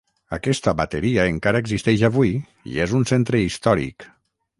Aquesta bateria encara existeix avui i és un centre històric.